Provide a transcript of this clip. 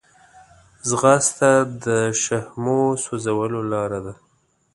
ځغاسته د شحمو سوځولو لاره ده